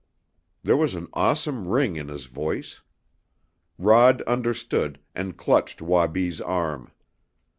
There was an awesome ring in his voice. Rod understood, and clutched Wabi's arm.